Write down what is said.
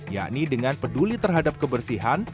yakni dengan peduli terhadap kebersihan